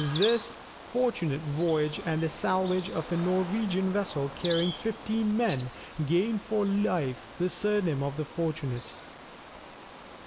This fortunate voyage and the salvage of a Norwegian vessel carrying fifteen men, gained for Leif the surname of the Fortunate.